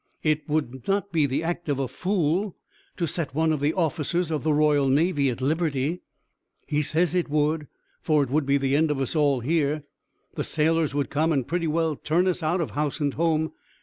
"It would not be the act of a fool to set one of the officers of the Royal Navy at liberty." "He says it would, for it would be the end of us all here. The sailors would come and pretty well turn us out of house and home.